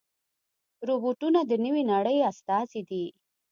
روبوټونه د نوې نړۍ استازي دي.